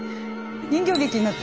人形劇になった。